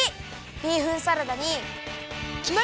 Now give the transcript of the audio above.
ビーフンサラダにきまり！